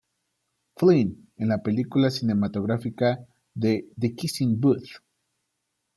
Flynn en la película cinematográfica de "The Kissing Booth".